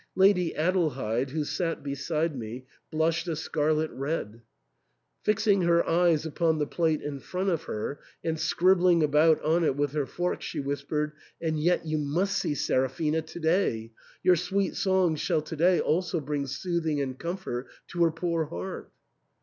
Lady Adelheid, who sat beside me, blushed a scarlet red. Fixing her eyes upon the plate in front of her, and scribbling about on it with her fork, she whispered, "And yet •you must see Seraphina to day ; your sweet songs shall to day also bring soothing and comfort to her poor heart."